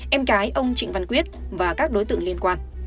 em gái ông trịnh văn quyết và các đối tượng liên quan